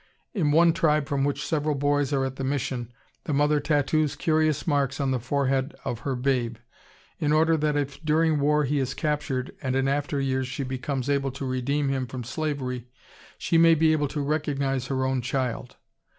In one tribe from which several boys are at the mission, the mother tattoos curious marks on the forehead of her babe, in order that if during war he is captured and in after years she becomes able to redeem him from slavery, she may be able to recognize her own child.